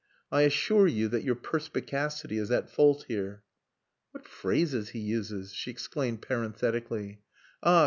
"I assure you that your perspicacity is at fault here." "What phrases he uses!" she exclaimed parenthetically. "Ah!